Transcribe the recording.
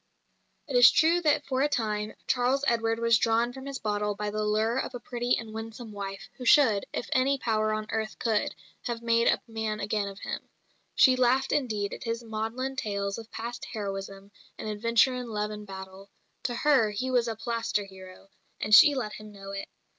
It is true that for a time Charles Edward was drawn from his bottle by the lure of a pretty and winsome wife, who should, if any power on earth could, have made a man again of him. She laughed, indeed, at his maudlin tales of past heroism and adventure in love and battle; to her he was a plaster hero, and she let him know it.